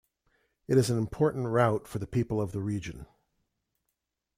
It is an important route for the people of the region.